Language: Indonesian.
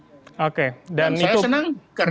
dan saya senang karena beliau bilang oh ada dari bais